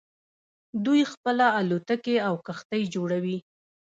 دوی خپله الوتکې او کښتۍ جوړوي.